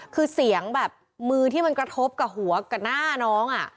คือเสียงแบบมือที่มันกระทบกับหัวกับหน้าน้อง